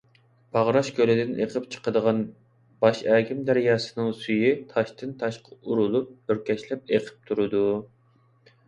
باغراش كۆلىدىن ئىېقىپ چىقىدىغان باش ئەگىم دەرياسىنىڭ سۈيى تاشتىن - تاشقا ئۇرۇلۇپ ئۆركەشلەپ ئىېقىپ تۇرۇدۇ .